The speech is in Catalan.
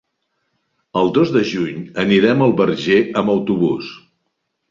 El dos de juny anirem al Verger amb autobús.